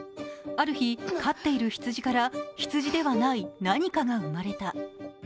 ある日、飼っている羊から羊ではない何かが生まれた。